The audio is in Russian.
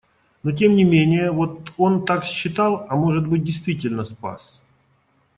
Но, тем не менее, вот он так считал, а может быть, действительно спас.